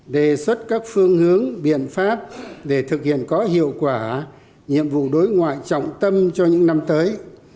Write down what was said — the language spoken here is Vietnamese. đề xuất các phương hướng biện pháp để thực hiện có hiệu quả nhiệm vụ đối ngoại trọng tâm cho những năm tới